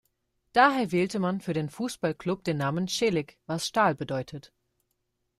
Daher wählte man für den Fußballclub den Namen „Celik“, was Stahl bedeutet.